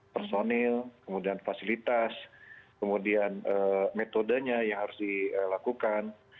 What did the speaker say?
personil kemudian fasilitas kemudian metodenya yang harus dilakukan